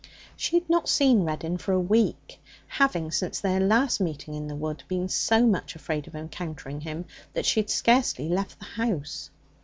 She had not seen Reddin for a week, having, since their last meeting in the wood, been so much afraid of encountering him that she had scarcely left the house.